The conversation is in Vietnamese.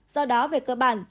do đó về cơ bản